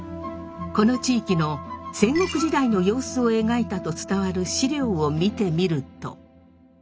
この地域の戦国時代の様子を描いたと伝わる史料を見てみると。